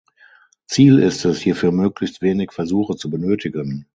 Ziel ist es, hierfür möglichst wenig Versuche zu benötigen.